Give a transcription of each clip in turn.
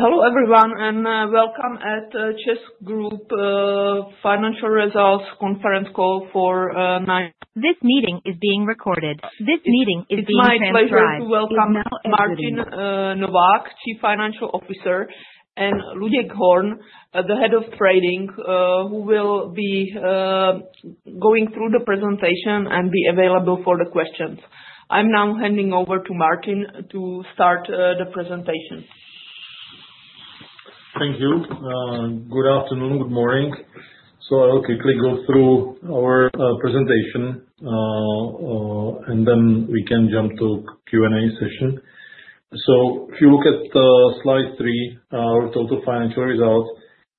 Hello, everyone, and welcome to the ČEZ Group financial results conference call for. This meeting is being recorded. This meeting is being transcribed. It's my pleasure to welcome Martin Novák, Chief Financial Officer, and Luděk Horn, the Head of Trading, who will be going through the presentation and be available for the questions. I'm now handing over to Martin to start the presentation. Thank you. Good afternoon, good morning. So I will quickly go through our presentation and then we can jump to the Q&A session. So if you look at slide three, our total financial results,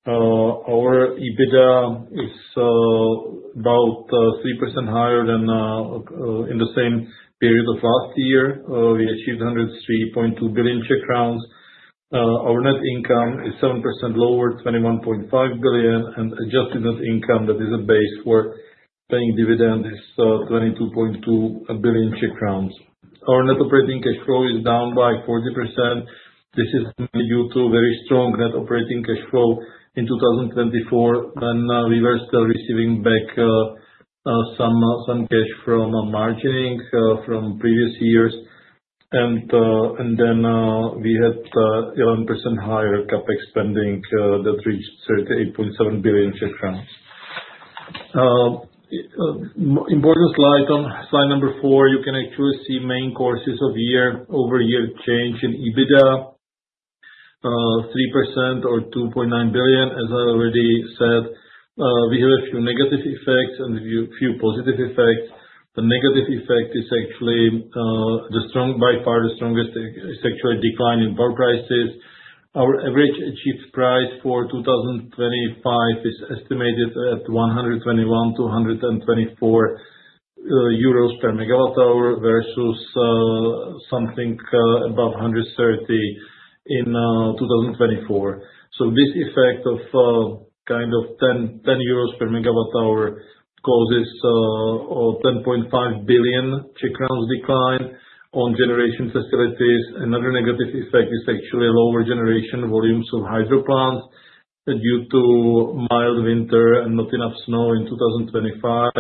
our EBITDA is about 3% higher than in the same period of last year. We achieved 103.2 billion Czech crowns. Our net income is 7% lower, 21.5 billion, and adjusted net income that is a base for paying dividends is 22.2 billion Czech crowns. Our net operating cash flow is down by 40%. This is due to very strong net operating cash flow in 2024 when we were still receiving back some cash from margining from previous years. And then we had 11% higher CapEx spending that reached CZK 38.7 billion. Important slide. On slide number four, you can actually see main causes of year over year change in EBITDA, 3% or 2.9 billion. As I already said, we have a few negative effects and a few positive effects. The negative effect is actually the strongest is actually a decline in power prices. Our average achieved price for 2025 is estimated at 121-124 euros per megawatt hour versus something above 130 in 2024. So this effect of kind of 10 euros per megawatt hour causes a 10.5 billion Czech crowns decline on generation facilities. Another negative effect is actually lower generation volumes of hydro plants due to mild winter and not enough snow in 2025.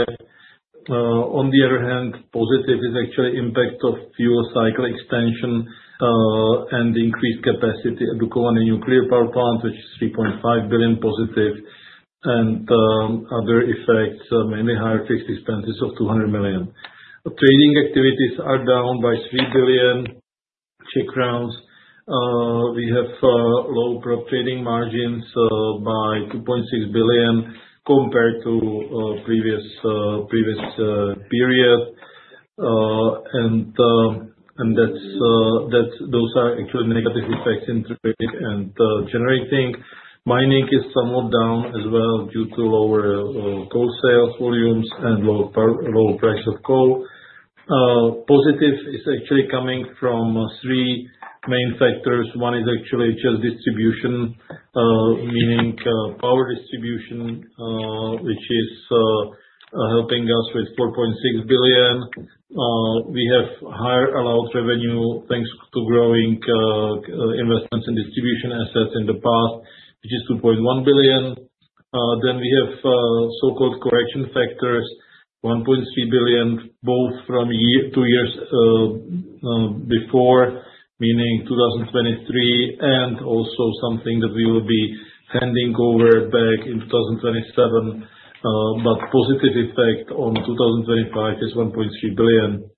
On the other hand, positive is actually impact of fuel cycle extension and increased capacity at the Dukovany nuclear power plant, which is 3.5 billion CZK positive. Other effects, mainly higher fixed expenses of 200 million CZK. Trading activities are down by 3 billion CZK. We have low trading margins by 2.6 billion compared to previous period. And those are actually negative effects in trading and generating. Mining is somewhat down as well due to lower coal sales volumes and low price of coal. Positive is actually coming from three main factors. One is actually just distribution, meaning power distribution, which is helping us with 4.6 billion. We have higher allowed revenue thanks to growing investments in distribution assets in the past, which is 2.1 billion. Then we have so-called correction factors, 1.3 billion, both from two years before, meaning 2023, and also something that we will be handing over back in 2027. But positive effect on 2025 is 1.3 billion.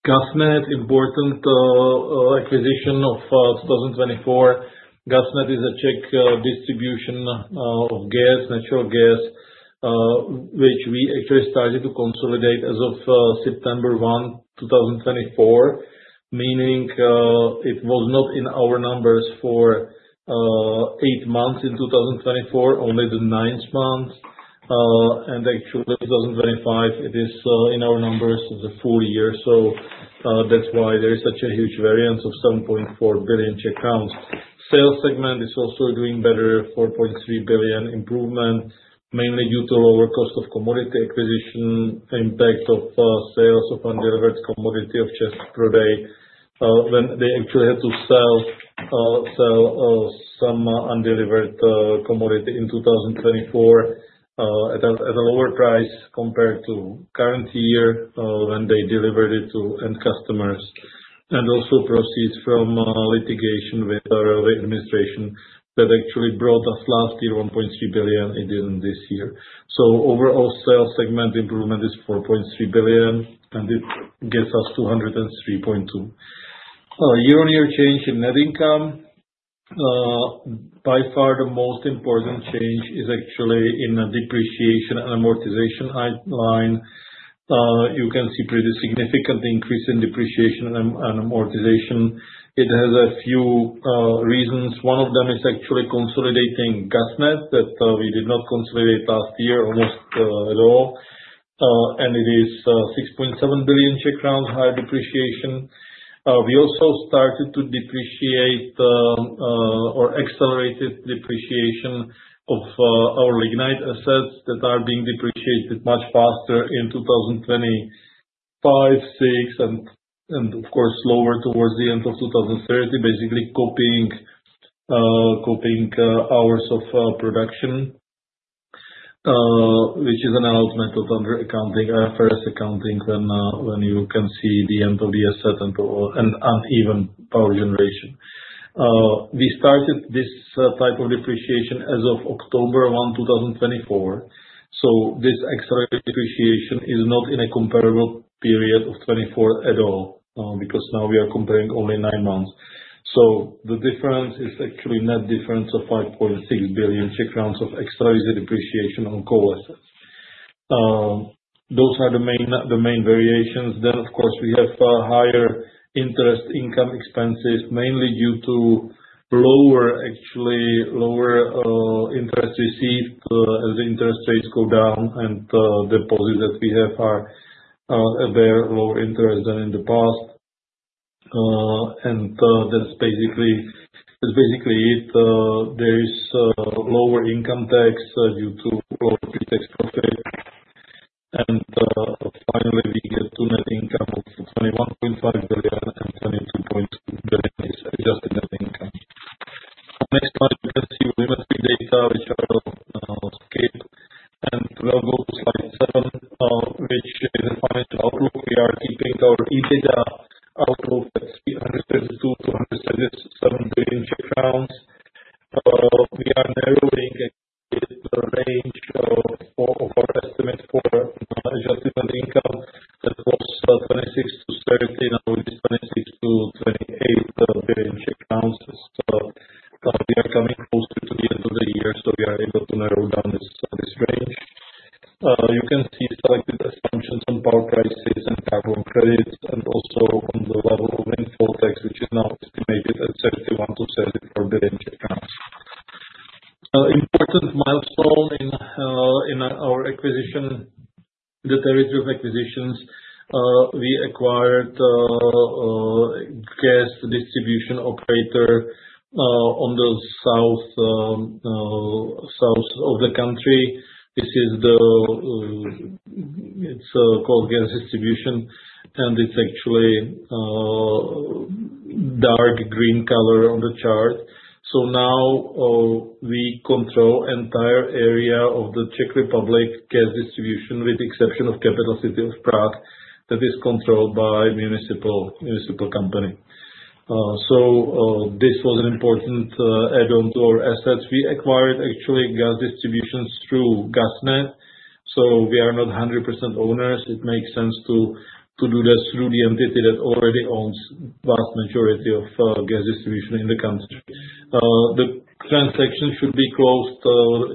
GasNet, important acquisition of 2024. GasNet is a Czech distribution of gas, natural gas, which we actually started to consolidate as of September 1, 2024, meaning it was not in our numbers for eight months in 2024, only the ninth month, and actually, 2025, it is in our numbers for the full year, so that's why there is such a huge variance of 7.4 billion. Sales segment is also doing better, 4.3 billion improvement, mainly due to lower cost of commodity acquisition, impact of sales of undelivered commodity of just per day. They actually had to sell some undelivered commodity in 2024 at a lower price compared to current year when they delivered it to end customers, and also proceeds from litigation with the Railway Administration that actually brought us last year 1.3 billion. It didn't this year, so overall sales segment improvement is 4.3 billion, and it gets us 203.2. Year-on-year change in net income. By far, the most important change is actually in the depreciation and amortization line. You can see pretty significant increase in depreciation and amortization. It has a few reasons. One of them is actually consolidating GasNet that we did not consolidate last year almost at all. And it is 6.7 billion higher depreciation. We also started to depreciate or accelerated depreciation of our lignite assets that are being depreciated much faster in 2025, 2026, and of course, lower towards the end of 2030, basically copying hours of production, which is an allowed method under accounting, IFRS accounting, when you can see the end of the asset and uneven power generation. We started this type of depreciation as of October 1, 2024. So this accelerated depreciation is not in a comparable period of 2024 at all because now we are comparing only nine months. The difference is actually a net difference of 5.6 billion of accelerated depreciation on coal assets. Those are the main variations. Then, of course, we have higher interest income expenses, mainly due to lower, actually lower interest received as the interest rates go down, and the deposits that we have bear lower interest than in the past. And that's basically it. There is lower income tax due to lower pre-tax profit. And finally, we get to net income of 21.5 billion and 22.2 billion is adjusted net income. Next slide, you can see volumetric data, which I will skip. And we'll go to slide seven, which is a financial outlook. We are keeping our EBITDA outlook at CZK 32-137 billion. We are narrowing the range of our estimate for adjusted net income that was 26-30 billion, now it is 26-28 billion. We are coming closer to the end of the year, so we are able to narrow down this range. You can see selected assumptions on power prices and carbon credits, and also on the level of windfall tax, which is now estimated at CZK 31-34 billion. Important milestone in our acquisition, the territorial acquisitions, we acquired a gas distribution operator on the south of the country. This is called GasNet, and it's actually dark green color on the chart. So now we control the entire area of the Czech Republic gas distribution with the exception of capital city of Prague, that is controlled by a municipal company. So this was an important add-on to our assets. We acquired actually gas distribution through GasNet. So we are not 100% owners. It makes sense to do this through the entity that already owns the vast majority of gas distribution in the country. The transaction should be closed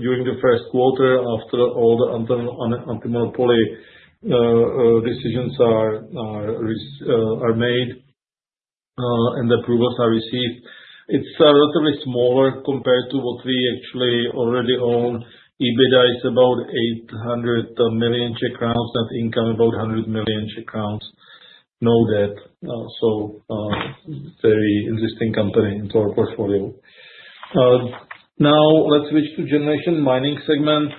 during the first quarter after all the antimonopoly decisions are made and the approvals are received. It's a relatively smaller compared to what we actually already own. EBITDA is about 800 million Czech crowns, net income about 100 million Czech crowns, no debt. So very interesting company into our portfolio. Now, let's switch to generation mining segment.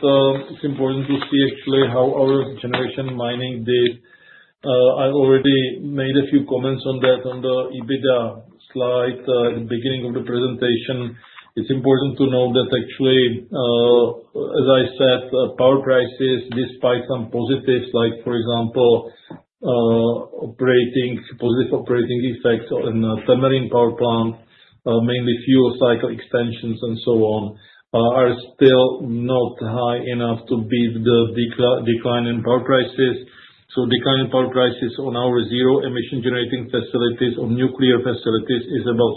It's important to see actually how our generation mining did. I already made a few comments on that on the EBITDA slide at the beginning of the presentation. It's important to note that actually, as I said, power prices, despite some positives, like for example, positive operating effects on Temelín power plant, mainly fuel cycle extensions and so on, are still not high enough to beat the decline in power prices. So declining power prices on our zero-emission generating facilities, on nuclear facilities, is about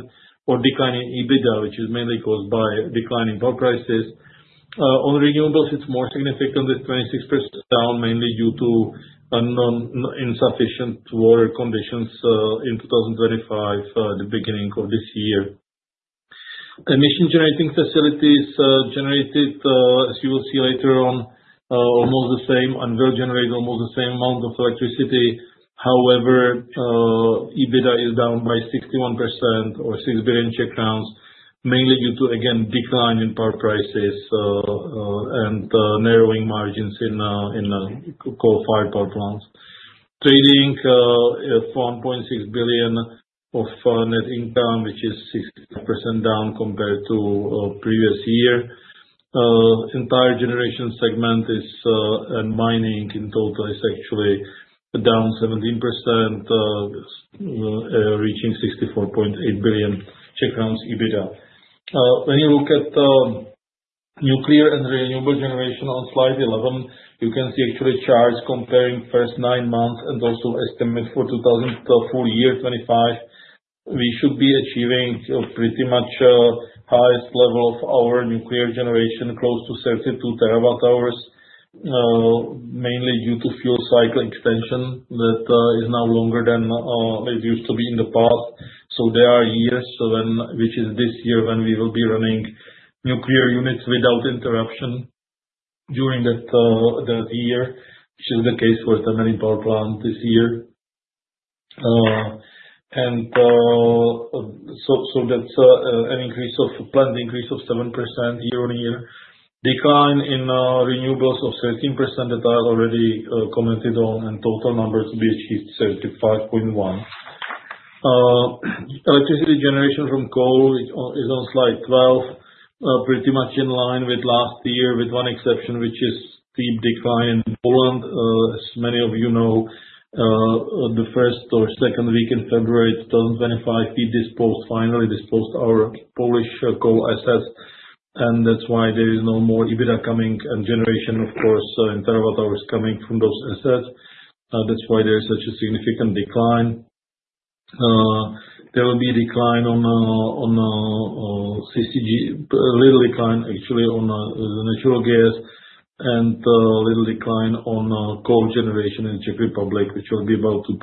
3%, or declining EBITDA, which is mainly caused by declining power prices. On renewables, it's more significant, with 26% down, mainly due to insufficient water conditions in 2025, the beginning of this year. Emitting generating facilities generated, as you will see later on, almost the same and will generate almost the same amount of electricity. However, EBITDA is down by 61% or 6 billion CZK, mainly due to, again, decline in power prices and narrowing margins in coal-fired power plants. Trading for 1.6 billion CZK of net income, which is 65% down compared to previous year. Entire generation segment and mining in total is actually down 17%, reaching 64.8 billion CZK EBITDA. When you look at nuclear and renewable generation on slide 11, you can see actually charts comparing first nine months and also estimate for 2025. We should be achieving pretty much the highest level of our nuclear generation, close to 32 terawatt hours, mainly due to fuel cycle extension that is now longer than it used to be in the past. There are years, which is this year, when we will be running nuclear units without interruption during that year, which is the case for Temelín power plant this year. That's an increase of planned increase of 7% year-on-year. Decline in renewables of 13% that I already commented on, and total number to be achieved, 75.1. Electricity generation from coal is on slide 12, pretty much in line with last year, with one exception, which is steep decline in Poland. As many of you know, the first or second week in February 2025, we finally disposed of our Polish coal assets, and that's why there is no more EBITDA coming and generation, of course, in terawatt hours coming from those assets. That's why there is such a significant decline. There will be a decline on CCGT, a little decline actually on natural gas, and a little decline on coal generation in the Czech Republic, which will be about 2%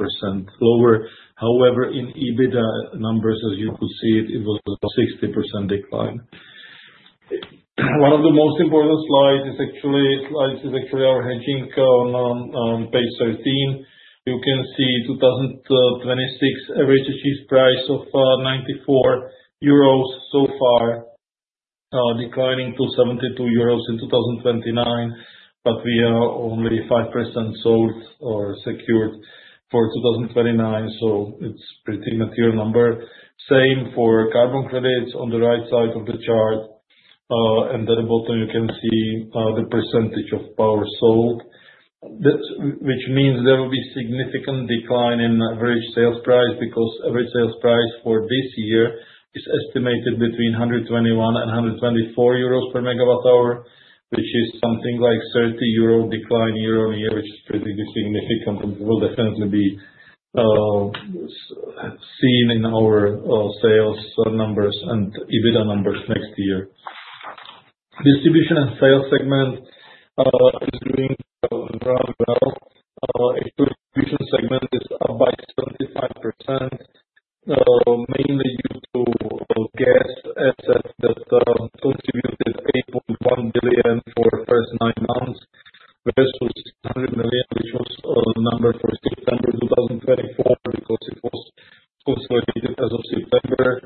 lower. However, in EBITDA numbers, as you could see, it was a 60% decline. One of the most important slides is actually our hedging on page 13. You can see 2026 average achieved price of 94 euros so far, declining to 72 euros in 2029, but we are only 5% sold or secured for 2029. So it's a pretty material number. Same for carbon credits on the right side of the chart. And at the bottom, you can see the percentage of power sold, which means there will be a significant decline in average sales price because average sales price for this year is estimated between 121 and 124 euros per megawatt hour, which is something like 30 euro decline year-on-year, which is pretty significant and will definitely be seen in our sales numbers and EBITDA numbers next year. Distribution and sales segment is doing rather well. Distribution segment is up by 75%, mainly due to gas assets that contributed 8.1 billion for the first nine months versus 100 million, which was a number for September 2024 because it was consolidated as of September.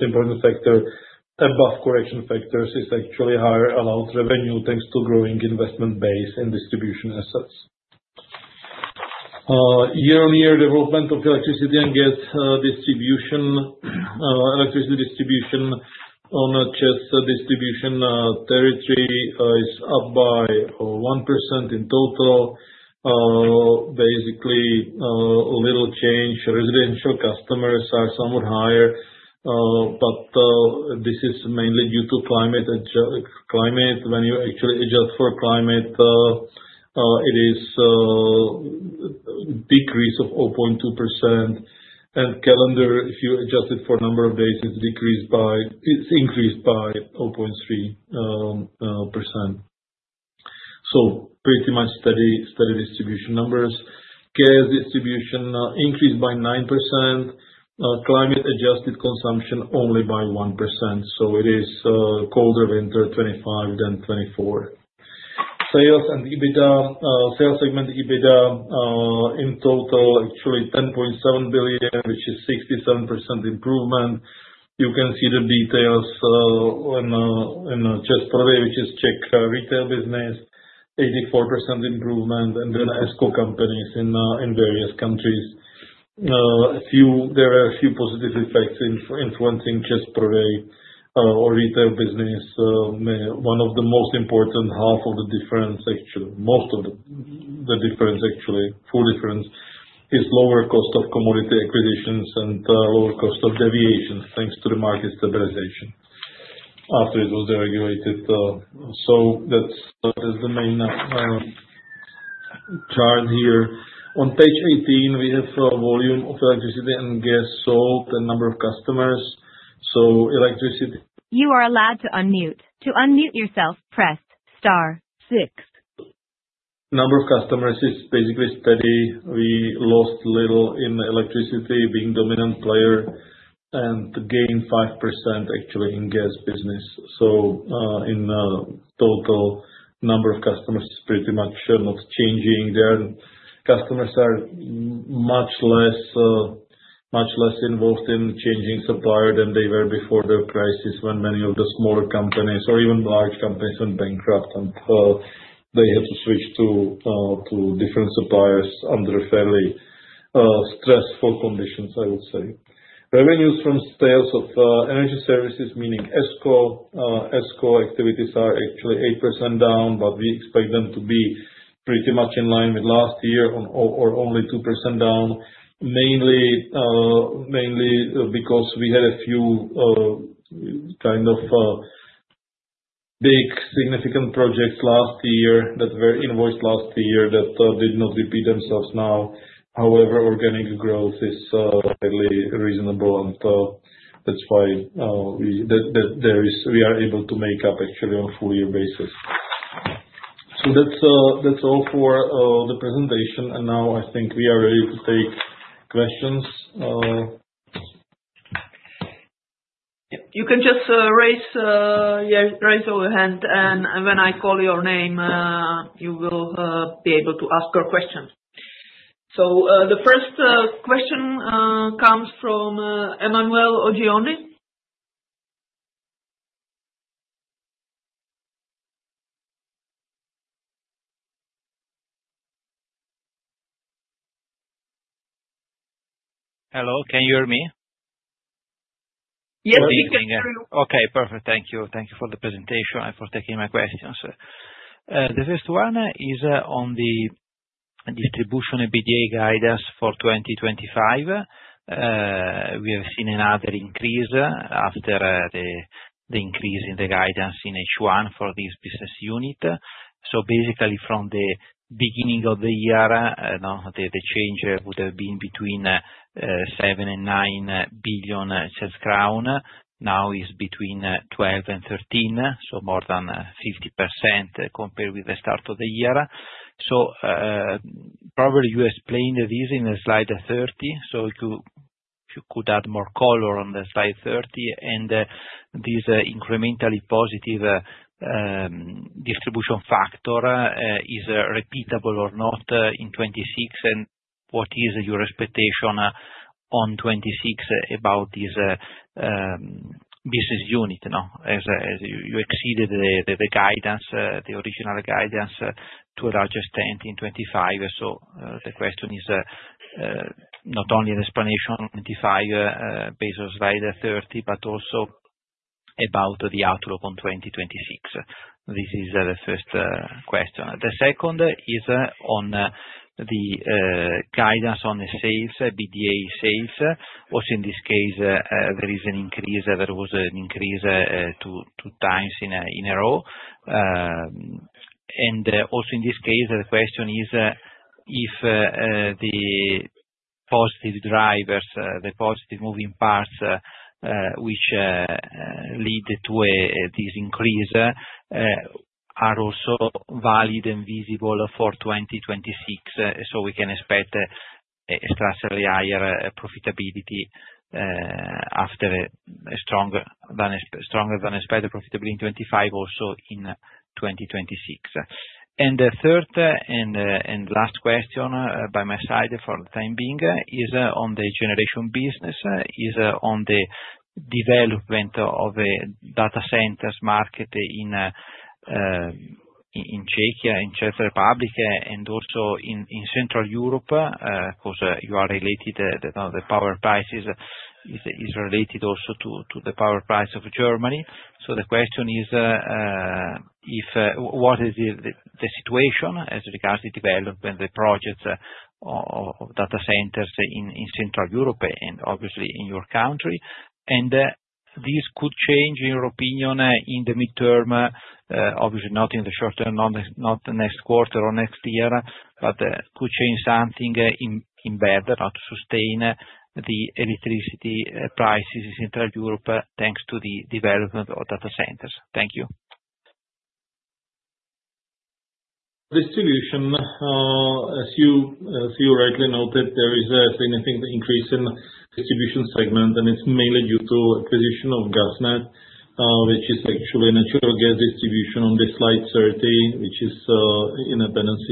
So CZK 7.4 billion improvement. And then actually, distribution and electricity distribution, our number is 30% better than it was last year, but 1.3 are those correction factors that I discussed from year minus two and year plus two in total for CZK 1.3 billion difference compared to last year. The details of distribution segment are then listed on the slide. Another important factor is the most important factor above correction factors is actually higher allowed revenue thanks to growing investment base in distribution assets. Year-on-year development of electricity and gas distribution. Electricity distribution on Czech distribution territory is up by 1% in total. Basically, little change. Residential customers are somewhat higher, but this is mainly due to climate. When you actually adjust for climate, it is a decrease of 0.2%. And calendar, if you adjust it for a number of days, it's increased by 0.3%. So pretty much steady distribution numbers. Gas distribution increased by 9%. Climate-adjusted consumption only by 1%. So it is colder winter 2025 than 2024. Sales and EBITDA. Sales segment EBITDA in total, actually 10.7 billion, which is 67% improvement. You can see the details in ČEZ Prodej, which is Czech retail business, 84% improvement, and then ESCO companies in various countries. There are a few positive effects influencing ČEZ Prodej or retail business. One of the most important half of the difference, actually most of the difference, actually full difference, is lower cost of commodity acquisitions and lower cost of deviations thanks to the market stabilization after it was deregulated. So that is the main chart here. On page 18, we have volume of electricity and gas sold and number of customers. So electricity. You are allowed to unmute. To unmute yourself, press star. Six. Number of customers is basically steady. We lost little in electricity being the dominant player and gained 5% actually in gas business. So in total, number of customers is pretty much not changing. Their customers are much less involved in changing supplier than they were before the crisis when many of the smaller companies or even large companies went bankrupt and they had to switch to different suppliers under fairly stressful conditions, I would say. Revenues from sales of energy services, meaning ESCO. ESCO activities are actually 8% down, but we expect them to be pretty much in line with last year or only 2% down, mainly because we had a few kind of big significant projects last year that were invoiced last year that did not repeat themselves now. However, organic growth is fairly reasonable, and that's why we are able to make up actually on a full-year basis. So that's all for the presentation. And now I think we are ready to take questions. You can just raise your hand, and when I call your name, you will be able to ask your question. So the first question comes from Emanuele Oggioni. Hello, can you hear me? Yes, we can hear you. Okay, perfect. Thank you. Thank you for the presentation and for taking my questions. The first one is on the distribution and EBITDA guidance for 2025. We have seen another increase after the increase in the guidance in H1 for this business unit. So basically, from the beginning of the year, the change would have been between 7 billion CZK and 9 billion crown. Now it's between 12 billion CZK and 13 billion CZK, so more than 50% compared with the start of the year. So probably you explained this in slide 30. So you could add more color on the slide 30. And this incrementally positive distribution factor is repeatable or not in 2026? And what is your expectation on 2026 about this business unit? You exceeded the original guidance to a larger strength in 2025. So the question is not only an explanation on 2025 based on slide 30, but also about the outlook on 2026. This is the first question. The second is on the guidance on the sales, EBITDA sales, which in this case, there is an increase. There was an increase two times in a row. Also in this case, the question is if the positive drivers, the positive moving parts which lead to this increase are also valid and visible for 2026. We can expect sustainable profitability after a stronger than expected profitability in 2025, also in 2026. The third and last question by my side for the time being is on the generation business, on the development of the data centers market in Czech Republic and also in Central Europe because it's related. The power price is related also to the power price of Germany. The question is, what is the situation as regards to development of the projects of data centers in Central Europe and obviously in your country? This could change, in your opinion, in the midterm, obviously not in the short term, not next quarter or next year, but could change something in better to sustain the electricity prices in Central Europe thanks to the development of data centers. Thank you. Distribution, as you rightly noted, there is a significant increase in distribution segment, and it's mainly due to acquisition of GasNet, which is actually natural gas distribution on the slide 30, which is in abundance.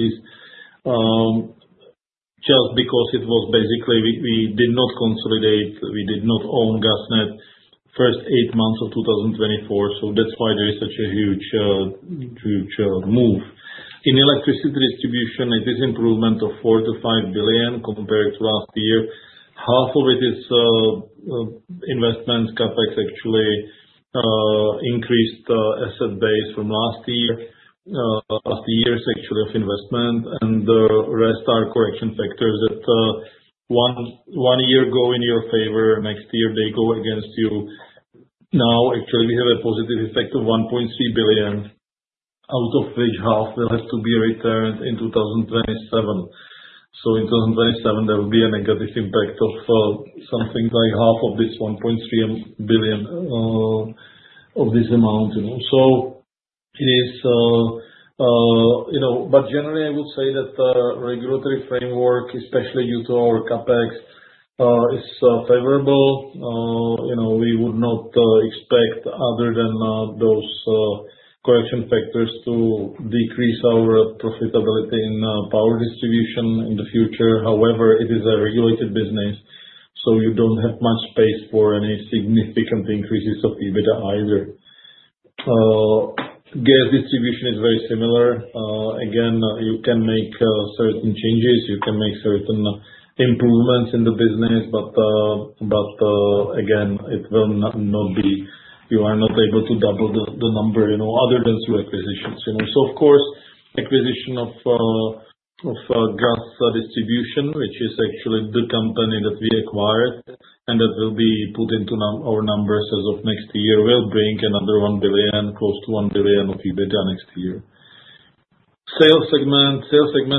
Just because it was basically we did not consolidate, we did not own GasNet first eight months of 2024. So that's why there is such a huge move. In electricity distribution, it is improvement of 4-5 billion compared to last year. Half of it is investment CapEx, actually increased asset base from last year, last year's actually of investment. The rest are correction factors that one year go in your favor, next year they go against you. Now, actually, we have a positive effect of 1.3 billion, out of which half will have to be returned in 2027. So in 2027, there will be a negative impact of something like half of this 1.3 billion of this amount. So it is, but generally, I would say that regulatory framework, especially due to our CapEx, is favorable. We would not expect other than those correction factors to decrease our profitability in power distribution in the future. However, it is a regulated business, so you don't have much space for any significant increases of EBITDA either. Gas distribution is very similar. Again, you can make certain changes. You can make certain improvements in the business, but again, it will not be. You are not able to double the number other than through acquisitions. So, of course, acquisition of GasNet, which is actually the company that we acquired and that will be put into our numbers as of next year, will bring another 1 billion, close to 1 billion of EBITDA next year. Sales segment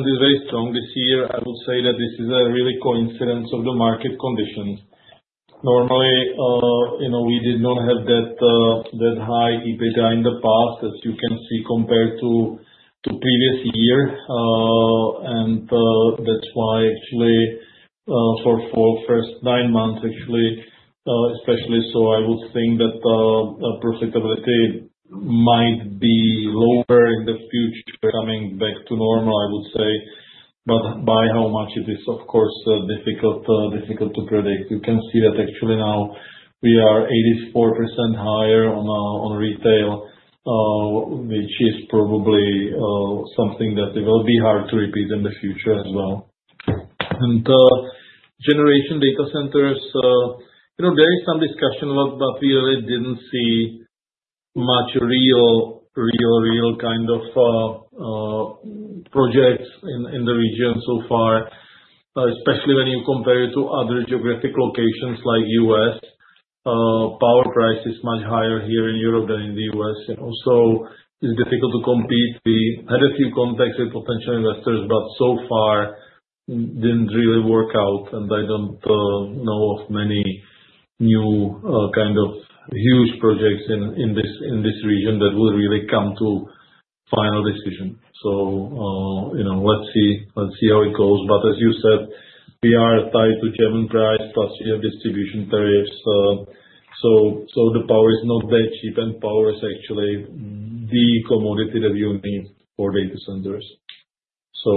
is very strong this year. I would say that this is a real coincidence of the market conditions. Normally, we did not have that high EBITDA in the past, as you can see compared to previous year. And that's why, actually, for first nine months, actually, especially, so I would think that profitability might be lower in the future. Coming back to normal, I would say, but by how much it is, of course, difficult to predict. You can see that actually now we are 84% higher on retail, which is probably something that will be hard to repeat in the future as well, and generation data centers, there is some discussion, but we really didn't see much real kind of projects in the region so far, especially when you compare it to other geographic locations like U.S. Power price is much higher here in Europe than in the U.S., so it's difficult to compete. We had a few contacts with potential investors, but so far didn't really work out, and I don't know of many new kind of huge projects in this region that will really come to final decision, so let's see how it goes, but as you said, we are tied to German price plus distribution tariffs. So the power is not that cheap, and power is actually the commodity that you need for data centers. So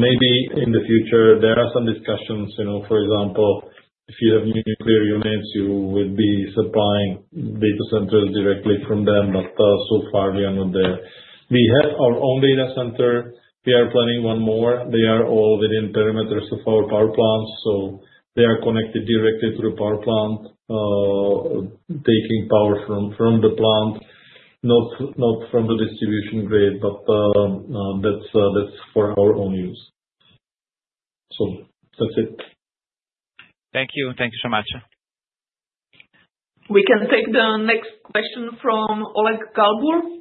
maybe in the future, there are some discussions. For example, if you have nuclear units, you would be supplying data centers directly from them, but so far we are not there. We have our own data center. We are planning one more. They are all within perimeters of our power plants. So they are connected directly to the power plant, taking power from the plant, not from the distribution grid, but that's for our own use. So that's it. Thank you. Thank you so much. We can take the next question from Oleg Galbur.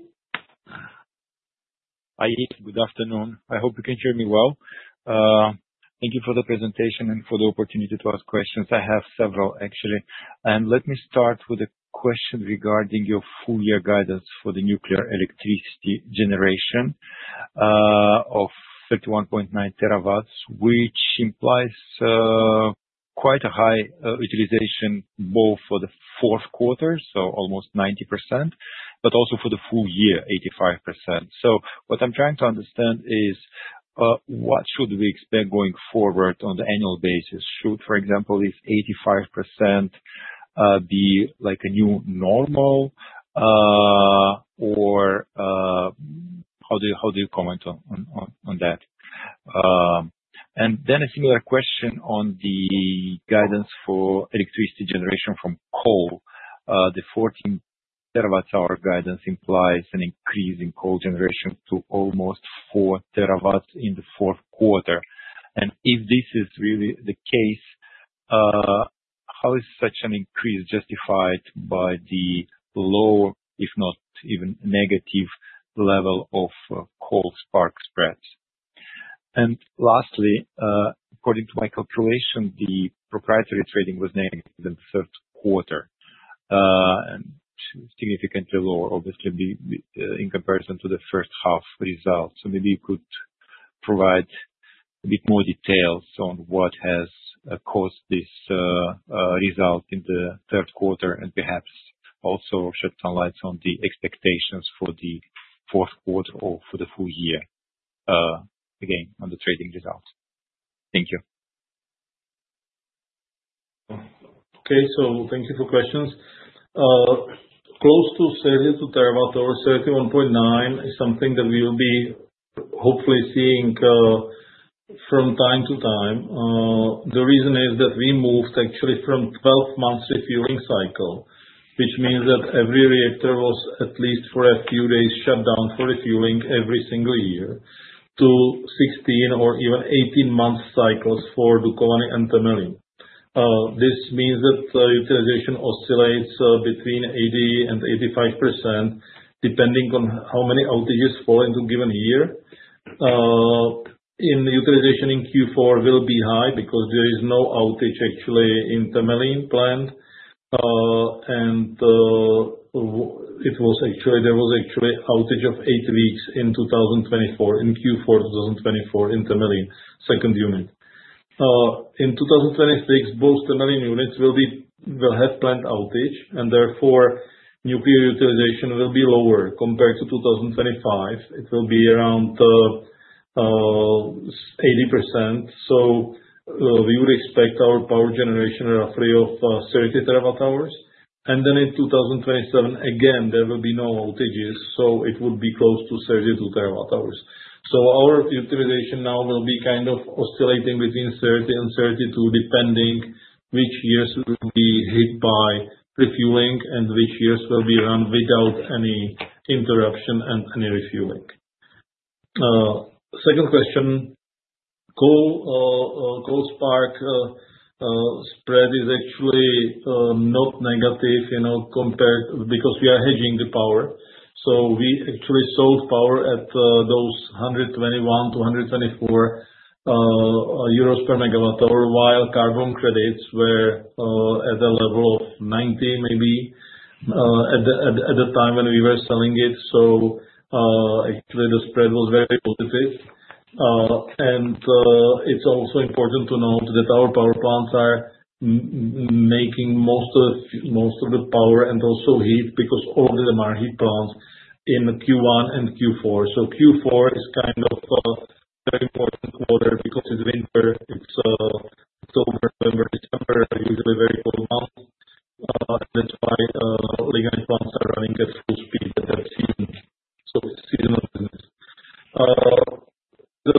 Hi, good afternoon. I hope you can hear me well. Thank you for the presentation and for the opportunity to ask questions. I have several, actually. And let me start with a question regarding your full-year guidance for the nuclear electricity generation of 31.9 terawatt hours, which implies quite a high utilization both for the fourth quarter, so almost 90%, but also for the full year, 85%. So what I'm trying to understand is what should we expect going forward on the annual basis? Should, for example, this 85% be like a new normal, or how do you comment on that? And then a similar question on the guidance for electricity generation from coal. The 14 terawatt-hour guidance implies an increase in coal generation to almost 4 terawatt hours in the fourth quarter. And if this is really the case, how is such an increase justified by the low, if not even negative, level of coal spark spreads? Lastly, according to my calculation, the proprietary trading was negative in the third quarter and significantly lower, obviously, in comparison to the first half results. Maybe you could provide a bit more details on what has caused this result in the third quarter and perhaps also shed some light on the expectations for the fourth quarter or for the full year, again, on the trading result. Thank you. Okay. Thank you for questions. Close to 32 terawatt hours or 31.9 is something that we will be hopefully seeing from time to time. The reason is that we moved actually from 12-month refueling cycle, which means that every reactor was at least for a few days shut down for refueling every single year, to 16 or even 18-month cycles for Dukovany and Temelín. This means that utilization oscillates between 80%-85% depending on how many outages fall into a given year. In utilization in Q4, it will be high because there is no outage actually in Temelín plant, and there was actually an outage of eight weeks in Q4 2024 in Temelín, second unit. In 2026, both Temelín units will have plant outage, and therefore, nuclear utilization will be lower compared to 2025. It will be around 80%, so we would expect our power generation roughly of 30 terawatt-hours, and then in 2027, again, there will be no outages, so it would be close to 32 terawatt-hours, so our utilization now will be kind of oscillating between 30 and 32, depending which years will be hit by refueling and which years will be run without any interruption and any refueling. Second question, coal spark spread is actually not negative because we are hedging the power. So we actually sold power at those 121-124 euros per megawatt-hour, while carbon credits were at a level of 90, maybe, at the time when we were selling it. So actually, the spread was very positive. And it's also important to note that our power plants are making most of the power and also heat because all of them are heat plants in Q1 and Q4. So Q4 is kind of a very important quarter because it's winter. It's October, November, December, usually very cold months. That's why lignite plants are running at full speed at that season, so seasonal business. The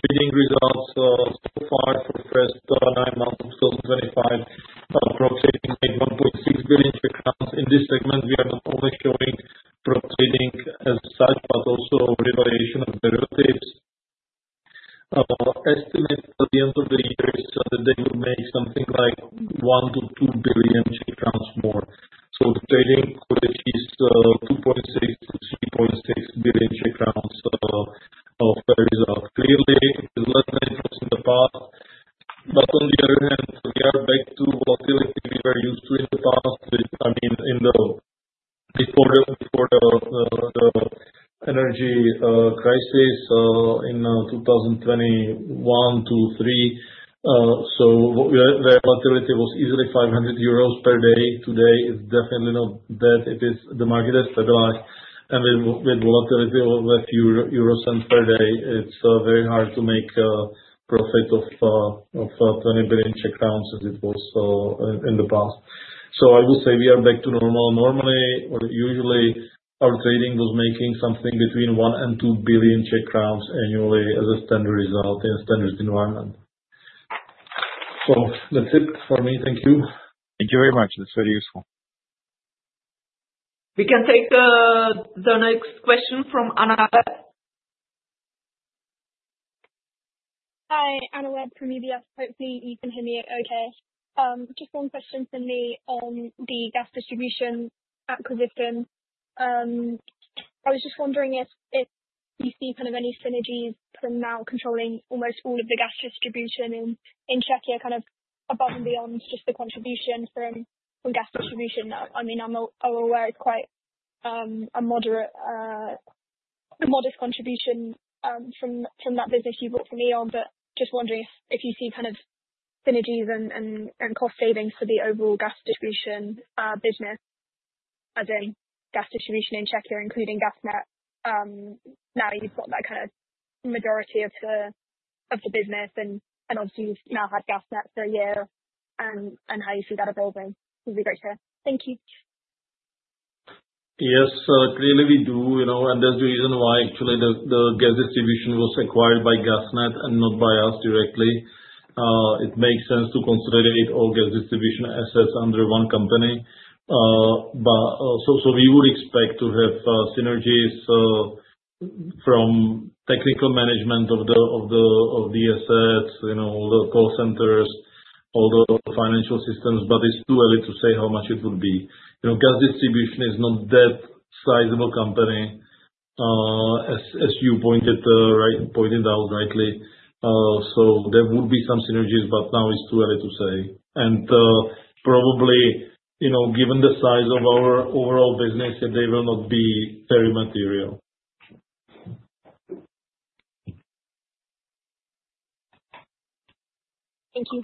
trading results so far for first nine months of 2025 are approximating 1.6 billion CZK. In this segment, we are not only showing prop trading as such, but also evaluation of derivatives. Estimate at the end of the year is that they will make something like 1-2 billion more. So trading could achieve 2.6-3.6 billion of the result. Clearly, it was less than interest in the past. But on the other hand, we are back to volatility we were used to in the past. I mean, in the before the energy crisis in 2021, 2023, so the volatility was easily 500 euros per day. Today, it's definitely not that. The market has stabilized, and with volatility of a few euro cents per day, it's very hard to make profit of 20 billion Czech crowns as it was in the past. So I would say we are back to normal. Normally, or usually, our trading was making something between one and two billion Czech crowns annually as a standard result in a standard environment. So that's it for me. Thank you. Thank you very much. That's very useful. We can take the next question from Anna. Hi, Anna. Webb from UBS. You can hear me okay. Just one question for me on the gas distribution acquisition. I was just wondering if you see kind of any synergies from now controlling almost all of the gas distribution in Czechia, kind of above and beyond just the contribution from gas distribution. I mean, I'm aware it's quite a modest contribution from that business you brought from E.ON, but just wondering if you see kind of synergies and cost savings for the overall gas distribution business, as in gas distribution in Czechia, including GasNet. Now you've got that kind of majority of the business, and obviously, you've now had GasNet for a year. And how you see that evolving would be great to hear. Thank you. Yes, clearly, we do. And that's the reason why, actually, the gas distribution was acquired by GasNet and not by us directly. It makes sense to consider all gas distribution assets under one company. So we would expect to have synergies from technical management of the assets, all the call centers, all the financial systems, but it's too early to say how much it would be. Gas distribution is not that sizable company, as you pointed out rightly. So there would be some synergies, but now it's too early to say. And probably, given the size of our overall business, they will not be very material. Thank you.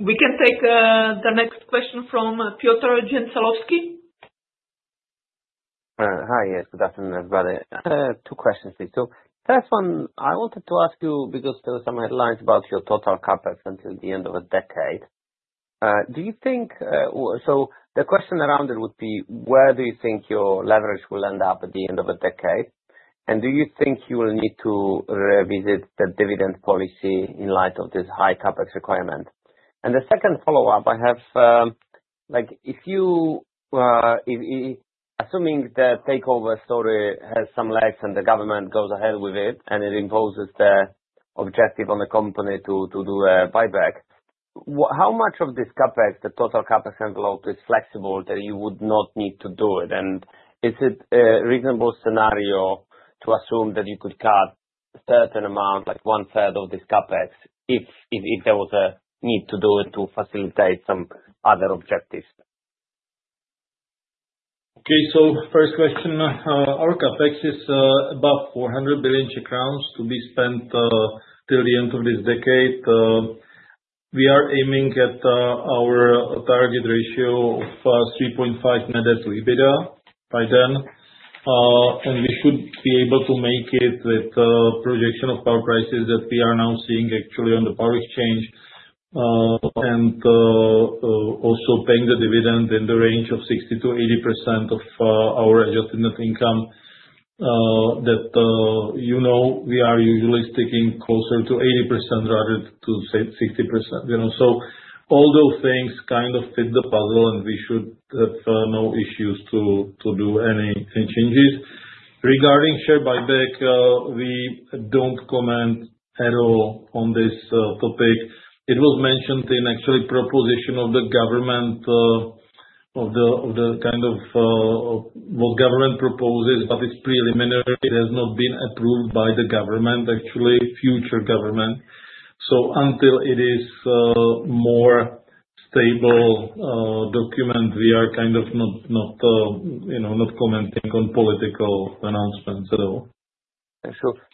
We can take the next question from Piotr Dzieciołowski. Hi. Yes, good afternoon, everybody. Two questions, please. So first one, I wanted to ask you because there were some headlines about your total CapEx until the end of a decade. Do you think so the question around it would be, where do you think your leverage will end up at the end of a decade? And do you think you will need to revisit the dividend policy in light of this high CapEx requirement? And the second follow-up, I have if you assuming the takeover story has some legs and the government goes ahead with it and it imposes the objective on the company to do a buyback, how much of this CapEx, the total CapEx envelope, is flexible that you would not need to do it? Is it a reasonable scenario to assume that you could cut a certain amount, like one-third of this CapEx, if there was a need to do it to facilitate some other objectives? Okay. First question, our CapEx is above 400 billion Czech crowns to be spent till the end of this decade. We are aiming at our target ratio of 3.5 net asset EBITDA by then. We should be able to make it with the projection of power prices that we are now seeing actually on the power exchange and also paying the dividend in the range of 60%-80% of our adjusted net income that you know we are usually sticking closer to 80% rather than to say 60%. All those things kind of fit the puzzle, and we should have no issues to do any changes. Regarding share buyback, we don't comment at all on this topic. It was mentioned in actually proposition of the government, of the kind of what government proposes, but it's preliminary. It has not been approved by the government, actually, future government. So until it is a more stable document, we are kind of not commenting on political announcements, so.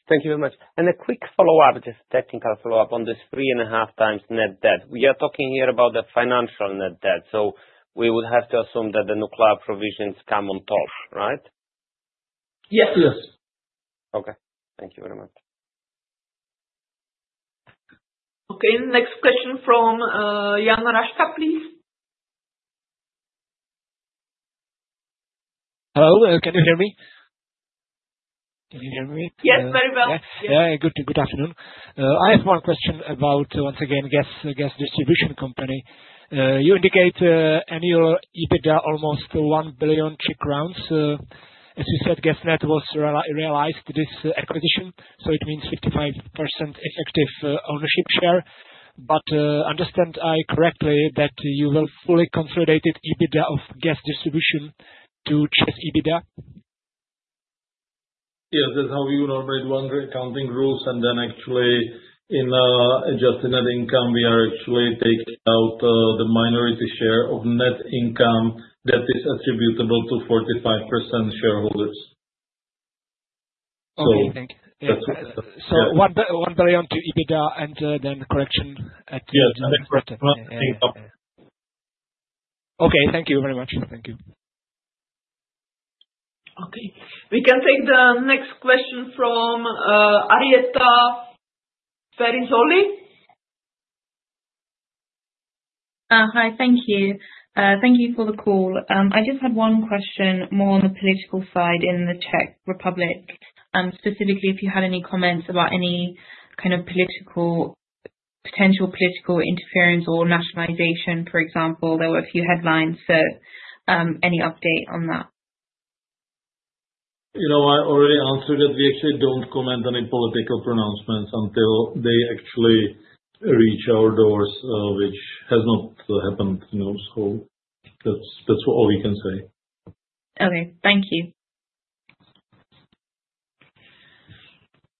Thank you very much. And a quick follow-up, just technical follow-up on this three and a half times net debt. We are talking here about the financial net debt. So we would have to assume that the nuclear provisions come on top, right? Yes. Yes. Okay. Thank you very much. Okay. Next question from Jan Raška, please. Hello. Can you hear me? Can you hear me? Yes, very well. Yeah. Good afternoon. I have one question about, once again, gas distribution company. You indicate annual EBITDA almost 1 billion Czech crowns. As you said, the GasNet acquisition was realized, so it means 55% effective ownership share. But do I understand correctly that you will fully consolidate EBITDA of gas distribution to Czech EBITDA? Yes. That's how we would operate one-third accounting rules. And then actually, in adjusted net income, we are actually taking out the minority share of net income that is attributable to 45% shareholders. Okay. Thank you. So 1 billion to EBITDA and then correction at the end of the quarter. Okay. Thank you very much. Thank you. Okay. We can take the next question from Arrieta Ferrizoli. Hi. Thank you. Thank you for the call. I just had one question more on the political side in the Czech Republic, specifically if you had any comments about any kind of potential political interference or nationalization, for example. There were a few headlines. So any update on that? I already answered that we actually don't comment on any political pronouncements until they actually reach our doors, which has not happened. So that's all we can say. Okay. Thank you.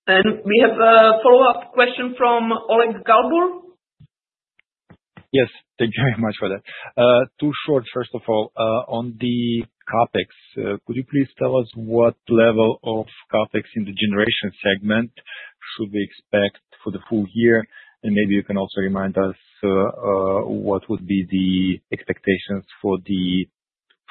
And we have a follow-up question from Oleg Galbur. Yes. Thank you very much for that. Two short, first of all, on the CapEx. Could you please tell us what level of CapEx in the generation segment should we expect for the full year? And maybe you can also remind us what would be the expectations for the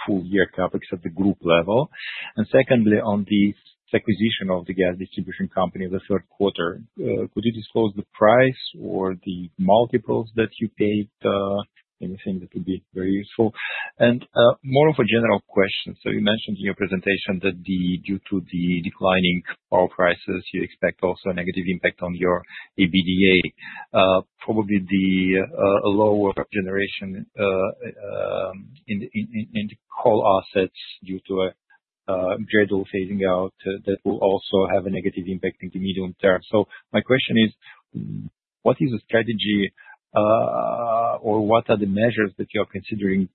full-year CapEx at the group level. And secondly, on the acquisition of the gas distribution company in the third quarter, could you disclose the price or the multiples that you paid? Anything that would be very useful. And more of a general question. You mentioned in your presentation that due to the declining power prices, you expect also a negative impact on your EBITDA. Probably the lower generation in the coal assets due to a gradual phasing out that will also have a negative impact in the medium term. My question is, what is the strategy or what are the measures that you are considering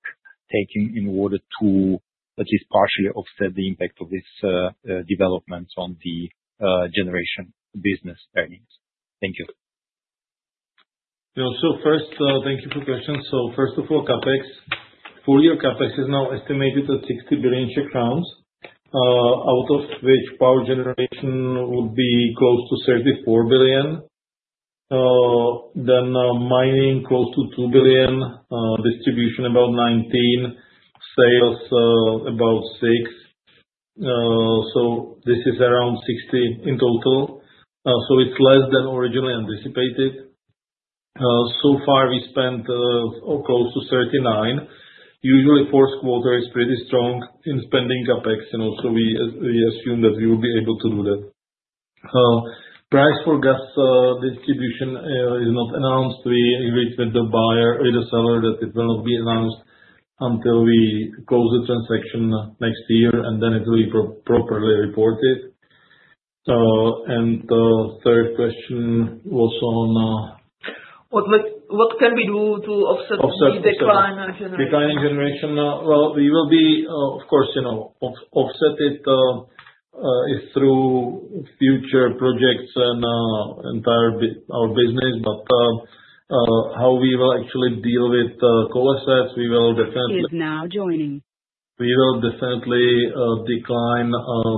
taking in order to at least partially offset the impact of these developments on the generation business earnings? Thank you. First, thank you for the question. First of all, CapEx, full-year CapEx is now estimated at 60 billion Czech crowns, out of which power generation would be close to 34 billion. Then mining close to 2 billion, distribution about 19 billion, sales about 6 billion. This is around 60 in total. It is less than originally anticipated. So far, we spent close to 39 billion. Usually, fourth quarter is pretty strong in spending CapEx, so we assume that we will be able to do that. Price for gas distribution is not announced. We agreed with the seller that it will not be announced until we close the transaction next year, and then it will be properly reported, and the third question was on what can we do to offset the decline in generation. We will be, of course, offset it through future projects and entire our business. But how we will actually deal with coal assets, we will definitely decline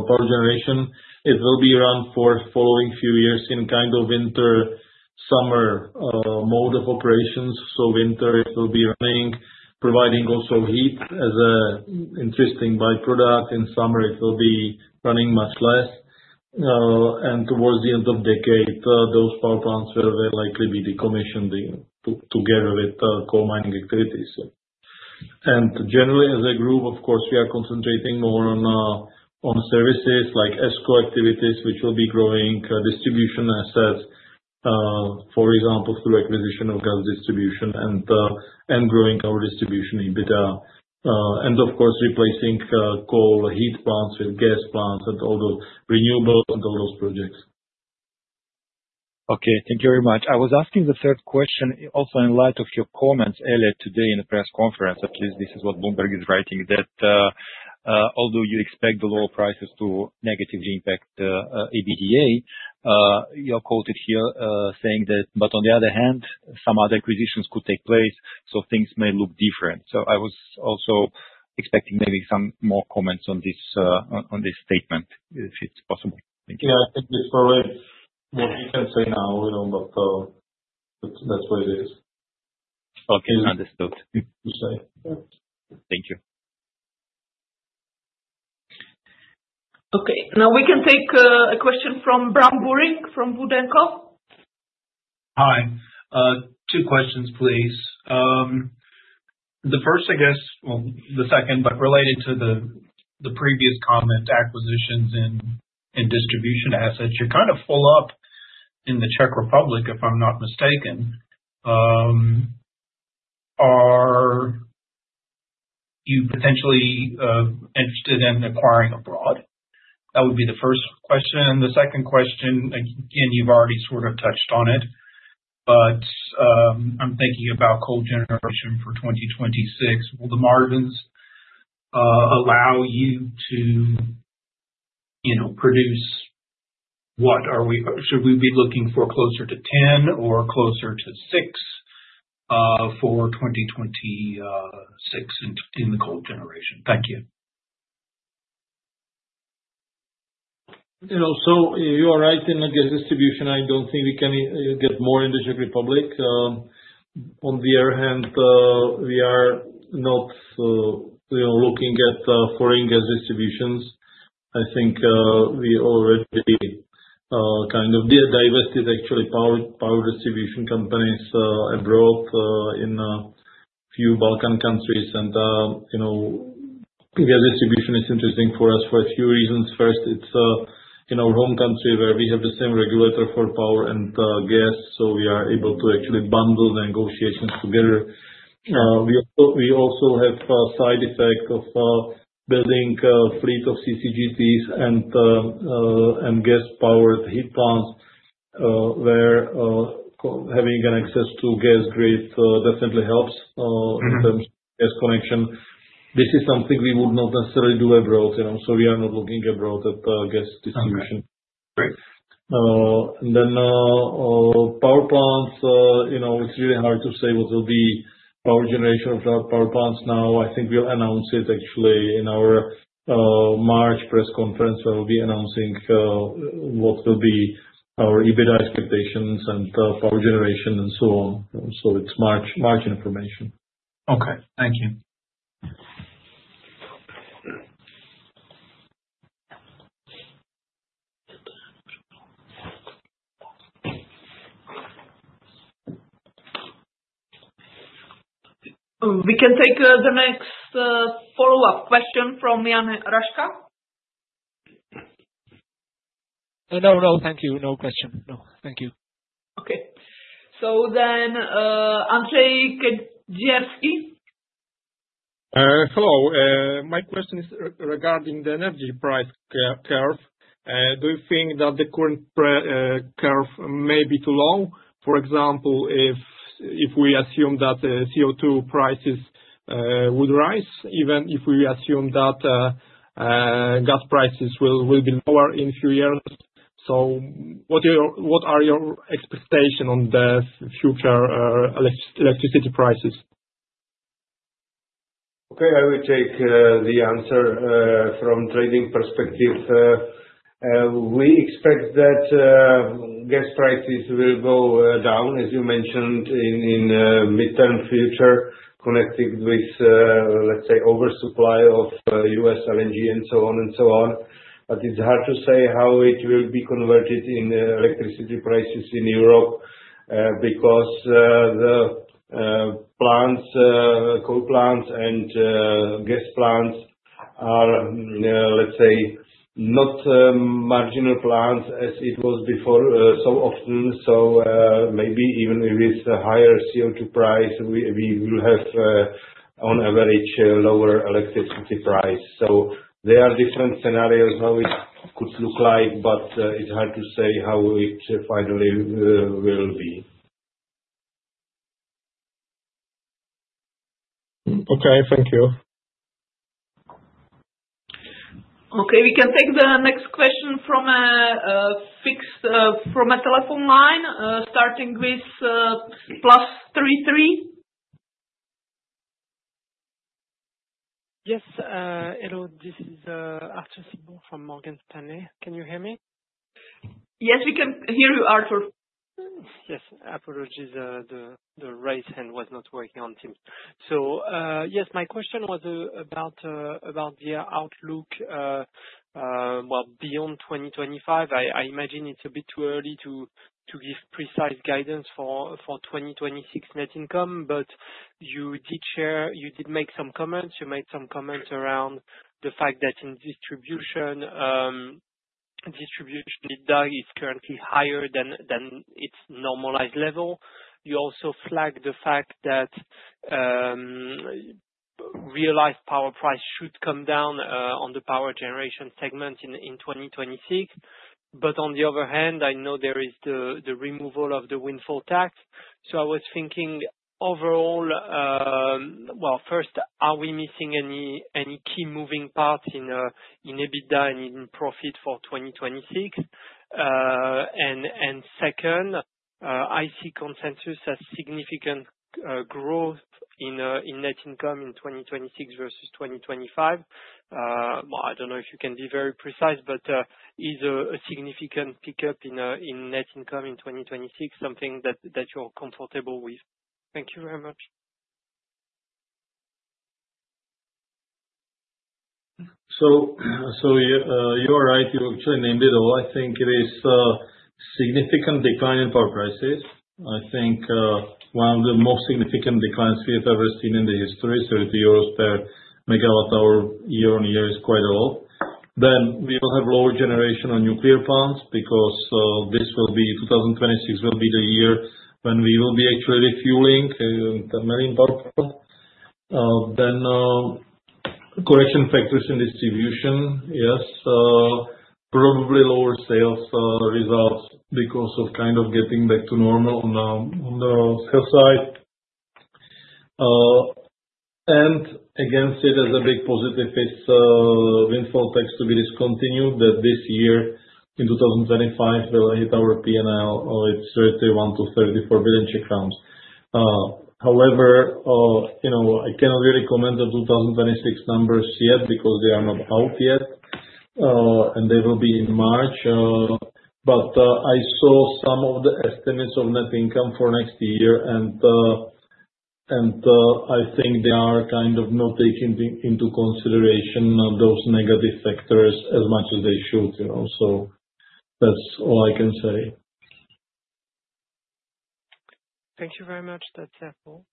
power generation. It will be run for the following few years in kind of winter-summer mode of operations. In winter, it will be running, providing also heat as an interesting byproduct. In summer, it will be running much less. And towards the end of the decade, those power plants will likely be decommissioned together with coal mining activities. And generally, as a group, of course, we are concentrating more on services like ESCO activities, which will be growing distribution assets, for example, through acquisition of gas distribution and growing our distribution EBITDA. And of course, replacing coal heat plants with gas plants and all those renewables and all those projects. Okay. Thank you very much. I was asking the third question also in light of your comments earlier today in the press conference. At least this is what Bloomberg is writing, that although you expect the lower prices to negatively impact EBITDA, you're quoted here saying that, but on the other hand, some other acquisitions could take place, so things may look different. So I was also expecting maybe some more comments on this statement, if it's possible. Thank you. Yeah. I think it's probably what you can say now, but that's what it is. Okay. Understood. Thank you. Okay. Now, we can take a question from Bram Buring from Wood & Company. Hi. Two questions, please. The first, I guess, well, the second, but related to the previous comment, acquisitions in distribution assets, you're kind of full up in the Czech Republic, if I'm not mistaken. Are you potentially interested in acquiring abroad? That would be the first question. The second question, again, you've already sort of touched on it, but I'm thinking about coal generation for 2026. Will the margins allow you to produce what? Should we be looking for closer to 10 or closer to six for 2026 in the coal generation? Thank you. So, you are right in the gas distribution. I don't think we can get more in the Czech Republic. On the other hand, we are not looking at foreign gas distributions. I think we already kind of divested, actually, power distribution companies abroad in a few Balkan countries. And gas distribution is interesting for us for a few reasons. First, it's in our home country where we have the same regulator for power and gas, so we are able to actually bundle the negotiations together. We also have a side effect of building a fleet of CCGTs and gas-powered heat plants where having access to gas grid definitely helps in terms of gas connection. This is something we would not necessarily do abroad. So we are not looking abroad at gas distribution. And then power plants, it's really hard to say what will be power generation of power plants now. I think we'll announce it actually in our March press conference where we'll be announcing what will be our EBITDA expectations and power generation and so on. So it's March information. Okay. Thank you. We can take the next follow-up question from Jan Raška. No, no. Thank you. No question. No. Thank you. Okay. So then Andrzej Dzierski. Hello. My question is regarding the energy price curve. Do you think that the current curve may be too long? For example, if we assume that CO2 prices would rise, even if we assume that gas prices will be lower in a few years. So what are your expectations on the future electricity prices? Okay. I will take the answer from trading perspective. We expect that gas prices will go down, as you mentioned, in the midterm future, connected with, let's say, oversupply of U.S. LNG and so on and so on. But it's hard to say how it will be converted in electricity prices in Europe because the coal plants and gas plants are, let's say, not marginal plants as it was before so often. So maybe even with a higher CO2 price, we will have, on average, lower electricity price. So there are different scenarios how it could look like, but it's hard to say how it finally will be. Okay. Thank you. Okay. We can take the next question from a telephone line, starting with +33. Yes. Hello. This is Arthur Sitbon from Morgan Stanley. Can you hear me? Yes, we can hear you, Arthur. Yes. Apologies. The right hand was not working on Teams. So yes, my question was about the outlook, well, beyond 2025. I imagine it's a bit too early to give precise guidance for 2026 net income, but you did make some comments. You made some comments around the fact that in distribution, distribution EBITDA is currently higher than its normalized level. You also flagged the fact that realized power price should come down on the power generation segment in 2026. But on the other hand, I know there is the removal of the windfall tax. So I was thinking overall, well, first, are we missing any key moving parts in EBITDA and in profit for 2026? And second, I see consensus as significant growth in net income in 2026 versus 2025. I don't know if you can be very precise, but is a significant pickup in net income in 2026 something that you're comfortable with? Thank you very much. So you are right. You actually named it all. I think it is a significant decline in power prices. I think one of the most significant declines we have ever seen in the history, 30 EUR per megawatt hour year on year, is quite a lot. Then we will have lower generation on nuclear plants because 2026 will be the year when we will be actually refueling the Temelín nuclear power plant. Then correction factors in distribution, yes, probably lower sales results because of kind of getting back to normal on the sales side. And against it as a big positive is windfall tax to be discontinued, that this year, in 2025, will hit our P&L of 31-34 billion Czech crowns. However, I cannot really comment on 2026 numbers yet because they are not out yet, and they will be in March. But I saw some of the estimates of net income for next year, and I think they are kind of not taking into consideration those negative factors as much as they should. So that's all I can say. Thank you very much. That's helpful.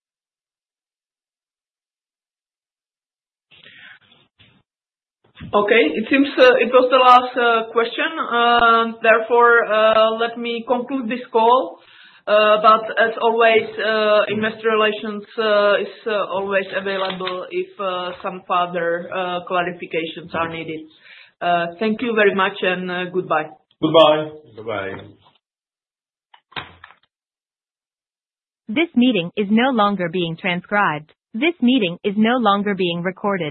Okay. It seems it was the last question. Therefore, let me conclude this call. But as always, investor relations is always available if some further clarifications are needed. Thank you very much and goodbye. Goodbye. Goodbye. This meeting is no longer being transcribed. This meeting is no longer being recorded.